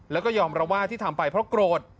แล้วก็ยอมรับว่าที่ทำไปเพราะโกรธ